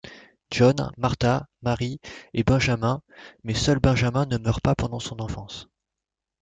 John, Martha, Mary et Benjamin, mais seul Benjamin ne meurt pas pendant son enfance.